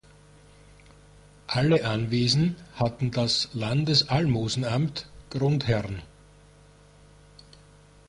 Alle Anwesen hatten das Landesalmosenamt Grundherrn.